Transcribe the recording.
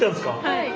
はい。